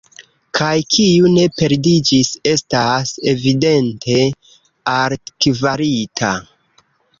Kaj kiu ne perdiĝis, estas evidente altkvalita.